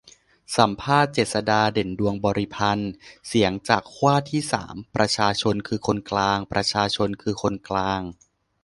สัมภาษณ์ เจษฎา เด่นดวงบริพันธ์ : เสียงจากขั้วที่สาม 'ประชาชนคือคนกลาง' ประชาชนคือคนกลาง